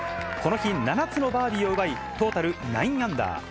この日７つのバーディーを奪い、トータル９アンダー。